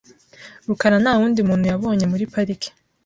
rukara nta wundi muntu yabonye muri parike .